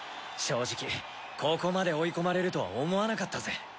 正直ここまで追い込まれるとは思わなかったぜ。